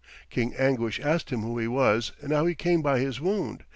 King Anguish asked him who he was and how he came by his wound.